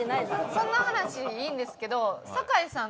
そんな話いいんですけど。